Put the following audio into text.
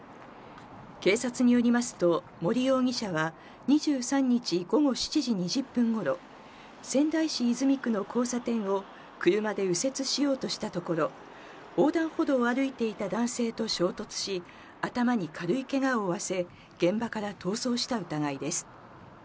警察によりますと、森容疑者は２３日午後７時２０分ごろ、仙台市泉区の交差点を車で右折しようとしたところ、横断歩道を歩いていた男性と衝突し、頭に軽いけがを負わせ、現場から逃走した疑いです。